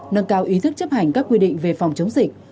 nâng cao ý thức chấp hành các quy định về phòng chống dịch